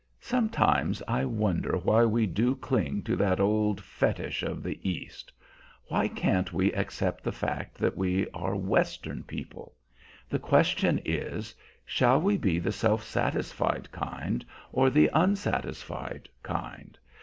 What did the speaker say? "Sometimes I wonder why we do cling to that old fetich of the East. Why can't we accept the fact that we are Western people? The question is, Shall we be the self satisfied kind or the unsatisfied kind?